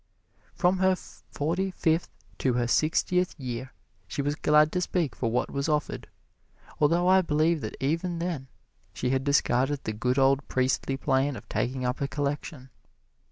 From her forty fifth to her sixtieth year she was glad to speak for what was offered, although I believe that even then she had discarded the good old priestly plan of taking up a collection.